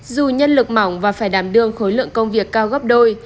dù nhân lực mỏng và phải đảm đương khối lượng công việc cao gấp đôi